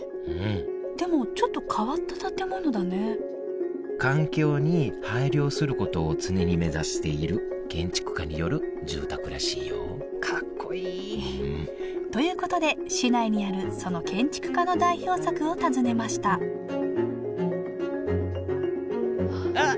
でもちょっと変わった建物だね環境に配慮することを常に目指している建築家による住宅らしいよかっこいい！ということで市内にあるその建築家の代表作を訪ねましたあっ！